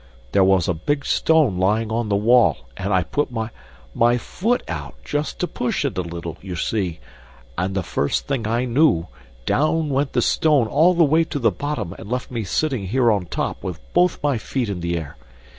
There was a big stone lying on the wall and I put my my foot out just to push it a little, you see, and the first thing I knew, down went the stone all the way to the bottom and left me sitting here on top with both my feet in the air.